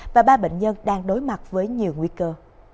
và ba bệnh nhân đang đối mặt với nhiều nguy cơ